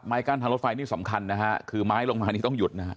กั้นทางรถไฟนี่สำคัญนะฮะคือไม้ลงมานี่ต้องหยุดนะฮะ